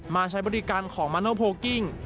มาใช้บริการของมันเวิลโพลกิ้ง